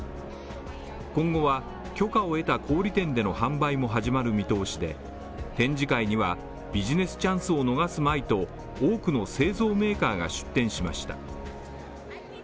今後は許可を得た小売店での販売も始まる見通しで、展示会には、ビジネスチャンスを逃すまいと、多くの製造メーカーが出展しました。